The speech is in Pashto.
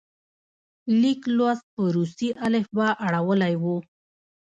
لیک لوست په روسي الفبا اړولی وو.